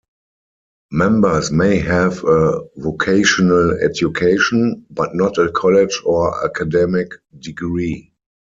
Members may have a vocational education, but not a college or academic degree.